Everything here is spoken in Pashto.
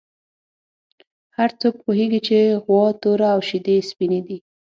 هر څوک پوهېږي چې غوا توره او شیدې یې سپینې دي.